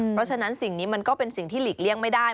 เพราะฉะนั้นสิ่งนี้มันก็เป็นสิ่งที่หลีกเลี่ยงไม่ได้